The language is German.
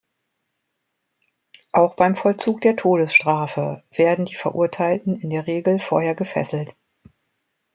Auch beim Vollzug der Todesstrafe werden die Verurteilten in der Regel vorher gefesselt.